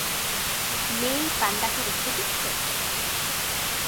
মেই পান্ডাকে রেখে দিচ্ছে?